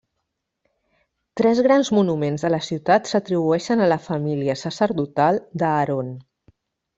Tres grans monuments de la ciutat s'atribueixen a la família sacerdotal d'Aaron.